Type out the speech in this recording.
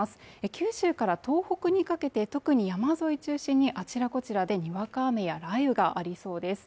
九州から東北にかけて特に山沿い中心にあちらこちらでにわか雨や雷雨がありそうです